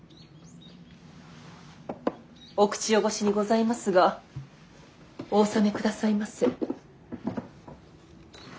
お口汚しにございますがお納めくださいませ。